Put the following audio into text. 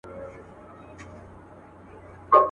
خاورو او لمر، خټو یې وړي دي اصلي رنګونه.